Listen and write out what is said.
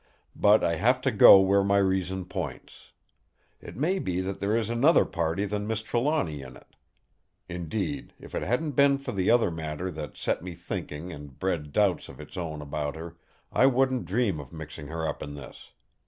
But I have to go where my reason points. It may be that there is another party than Miss Trelawny in it. Indeed, if it hadn't been for the other matter that set me thinking and bred doubts of its own about her, I wouldn't dream of mixing her up in this.